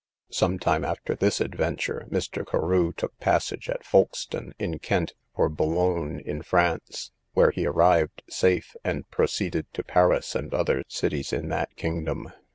Some time after this adventure, Mr. Carew took passage at Folkstone, in Kent, for Boulogne in France, where he arrived safe, and proceeded to Paris and other cities in that kingdom.